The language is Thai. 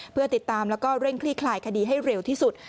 เพื่อติดตามแล้วก็เร่งคลี่คลายคดีให้เร็วที่สุด